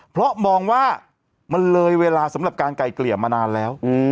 เพราะมองว่ามันเลยเวลาสำหรับการไก่เกลี่ยมานานแล้ว